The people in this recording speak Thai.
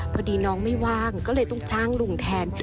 พอดีน้องไม่ว่างก็เลยต้องจ้างลุงแทน